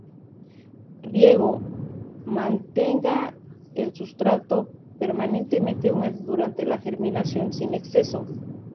Riego: Mantenga el sustrato permanentemente húmedo durante la germanización sin exceso.